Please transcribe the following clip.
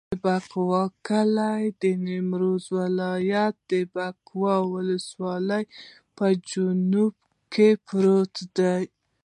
د بکوا کلی د نیمروز ولایت، بکوا ولسوالي په جنوب کې پروت دی.